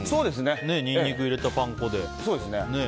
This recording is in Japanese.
ニンニク入れたパン粉でね。